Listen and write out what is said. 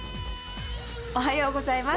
おはようございます。